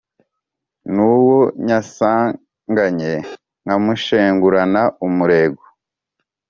N’ uwo nyisanganye nkamushengurana umurego